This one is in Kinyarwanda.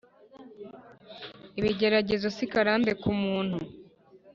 Ibigeragezo sikarande kumuntu